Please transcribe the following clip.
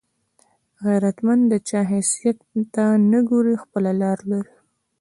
غیرتمند د چا حیثیت ته نه ګوري، خپله لار لري